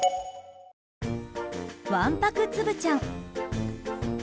わんぱく、つぶちゃん。